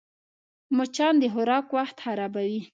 مچان د خوراک وخت خرابوي